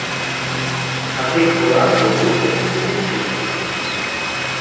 সাথে ঘোড়া, গরু এবং কুকুর ছিলো।